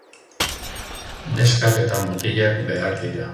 Neskak eta mutilak behar dira.